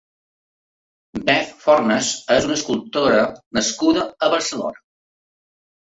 Beth Fornas és una escultora nascuda a Barcelona.